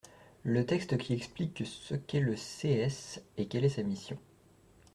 Le texte qui explique ce qu’est le CS et quelle est sa mission.